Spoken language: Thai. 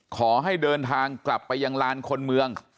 ขอให้เดินทางกลับไปยังลานคนเมือง